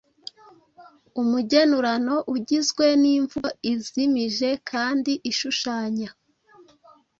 Umugenurano ugizwe n’imvugo izimije kandi ishushanya,